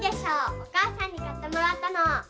おかあさんにかってもらったの。